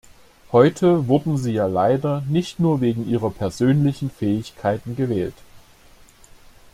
Heute wurden Sie ja leider nicht nur wegen Ihrer persönlichen Fähigkeiten gewählt.